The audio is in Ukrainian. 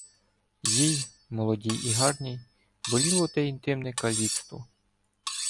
їй, молодій і гарній, боліло те інтимне каліцтво.